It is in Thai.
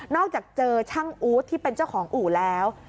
อกจากเจอช่างอู๊ดที่เป็นเจ้าของอู่แล้ว